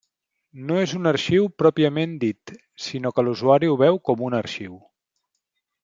No és un arxiu pròpiament dit, sinó que l'usuari ho veu com un arxiu.